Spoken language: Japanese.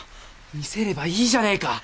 見せればいいじゃねえか。